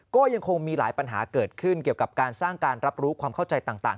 ก็ยังคงมีหลายปัญหาเกิดขึ้นเกี่ยวกับการสร้างการรับรู้ความเข้าใจต่าง